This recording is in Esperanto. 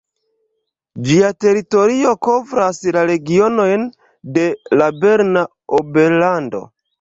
Ĝia teritorio kovras la regionojn de la Berna Oberlando.